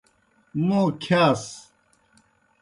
موں کِھیاس۔